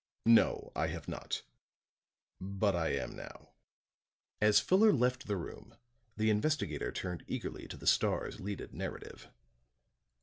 "No: I have not. But I am now." After Fuller left the room, the investigator turned eagerly to the Star's leaded narrative.